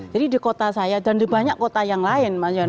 jadi di kota saya dan di banyak kota yang lain